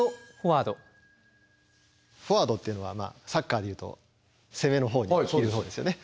フォワードっていうのはサッカーで言うと攻めの方にいる方ですよね。